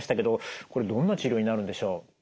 これどんな治療になるんでしょう？